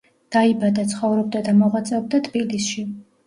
დაიბადა, ცხოვრობდა და მოღვაწეობდა თბილისში.